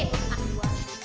dua dua tiga empat